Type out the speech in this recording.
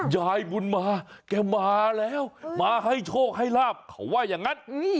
ยายบุญมาแกมาแล้วมาให้โชคให้ลาบเขาว่าอย่างนั้น